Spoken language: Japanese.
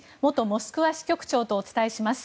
モスクワ支局長とお伝えします。